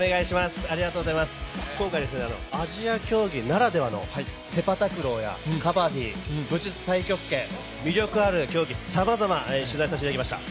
今回アジア競技ならではのセパタクローやカバディ、武術太極拳、魅力ある競技をさまざま取材させていただきました。